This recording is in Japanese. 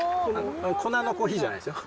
粉のコーヒーじゃないですよ。